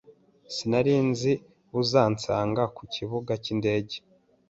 Sinari nzi uzansanga ku kibuga cy'indege.